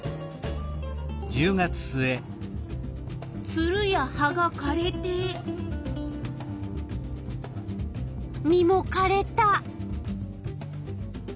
ツルや葉がかれて実もかれた。